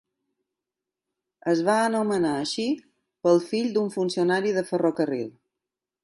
Es va anomenar així pel fill d'un funcionari de ferrocarril.